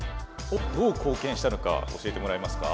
どう貢献したのか教えてもらえますか？